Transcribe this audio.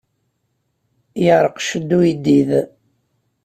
Yeɛṛeq cced uyeddid!